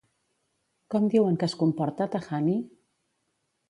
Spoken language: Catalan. Com diuen que es comporta Tajani?